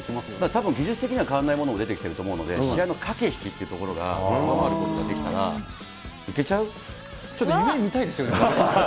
たぶん技術的には変わらないものも出てきてると思うので、試合の駆け引きというところが、上回ることができたら、いけちゃちょっと夢みたいですよね。